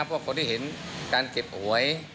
พวกคนที่เห็นการเก็บโหย